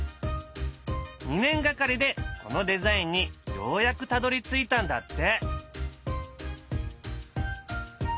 ２年がかりでこのデザインにようやくたどりついたんだって。